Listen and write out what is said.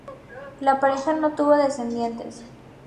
La pareja no tuvo descendientes.